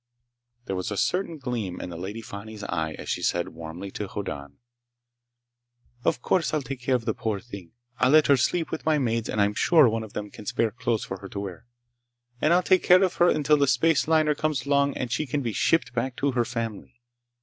There was a certain gleam in the Lady Fani's eye as she said warmly to Hoddan: "Of course I'll take care of the poor thing! I'll let her sleep with my maids and I'm sure one of them can spare clothes for her to wear, and I'll take care of her until a space liner comes along and she can be shipped back to her family.